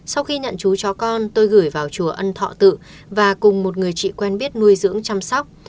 sau khi nhận chú chó con tôi gửi vào chùa ân thọ tự và cùng một người chị quen biết nuôi dưỡng chăm sóc